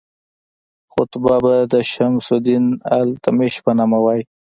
خطبه به د شمس الدین التمش په نامه وایي.